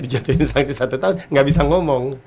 dijatuhin sanksi satu tahun nggak bisa ngomong